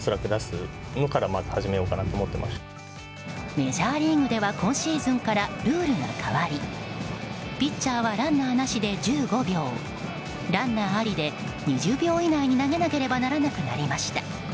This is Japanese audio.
メジャーリーグでは今シーズンからルールが変わりピッチャーはランナーなしで１５秒ランナーありで２０秒以内に投げなければならなくなりました。